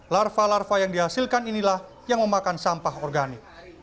larva larva yang dihasilkan inilah yang memakan sampah organik